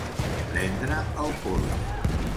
Prendre el pols.